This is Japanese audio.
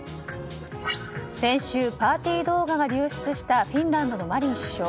先週、パーティー動画が流出したフィンランドのマリン首相。